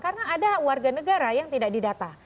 karena ada warga negara yang tidak didata